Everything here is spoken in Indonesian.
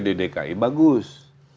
di dki bagus